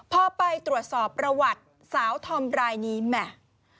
พอไปตรวจสอบประวัติสาวธอมรายนี้แหม่